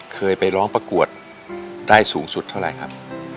เคยไปร้องประกวดได้สูงสุดเท่าไหร่ครับ